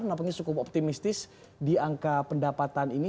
namun ini cukup optimistis di angka pendapatan ini